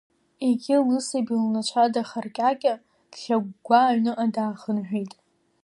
Егьи лысаби лнацәа дахаркьакьа дхьагәгәа аҩныҟа даахынҳәит…